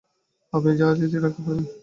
আপনি জাহাজ স্থির রাখতে পারবেন?